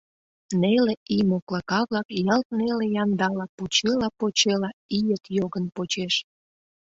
Неле ий моклака-влак ялт неле яндала почела-почела ийыт йогын почеш.